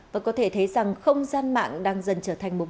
và có thể thấy rằng không gian mạng đang dần trở thành mối quanh